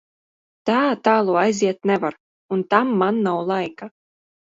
Tā tālu aiziet nevar, un tam man nav laika.